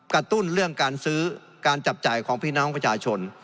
ตุ้นเรื่องการซื้อการจับจ่ายของพี่น้องประชาชน